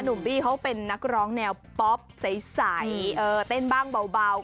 บี้เขาเป็นนักร้องแนวป๊อปใสเต้นบ้างเบา